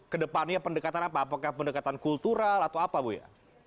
kedepannya pendekatan apa apakah pendekatan kultural atau apa bu ya